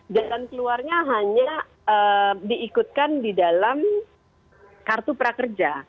jalan keluarnya hanya diikutkan di dalam kartu prakerja